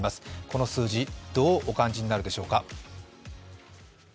この数字、どうお感じになるでしょうか。